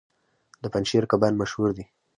د پنجشیر کبان مشهور دي